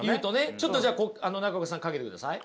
ちょっとじゃあ中岡さんかけてください。